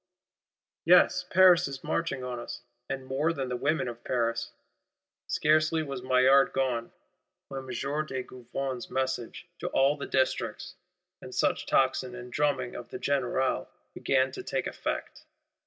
Yes, Paris is marching on us; and more than the women of Paris! Scarcely was Maillard gone, when M. de Gouvion's message to all the Districts, and such tocsin and drumming of the générale, began to take effect.